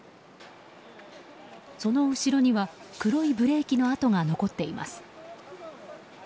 その後ろには黒いブレーキの跡が残っています。